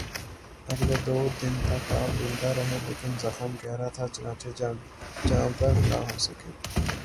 اگلے دو دن تک آپ زندہ رہے لیکن زخم گہرا تھا، چنانچہ جانبر نہ ہو سکے